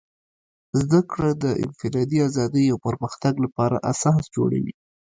زدهکړه د انفرادي ازادۍ او پرمختګ لپاره اساس جوړوي.